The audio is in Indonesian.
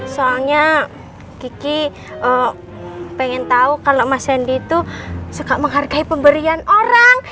soalnya kiki pengen tahu kalau mas hendy itu suka menghargai pemberian orang